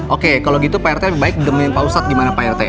oke kalau gitu pak rt lebih baik jemputin pak ustadz